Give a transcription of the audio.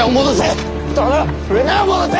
舟を戻せ！